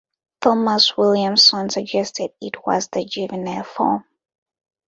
Thomas Williamson suggested it was the juvenile form.